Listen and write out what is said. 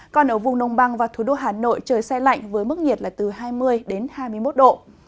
còn ở vùng nông băng và thủ đô hà nội trời xe lạnh với mức nhiệt là từ hai mươi đến hai mươi một độ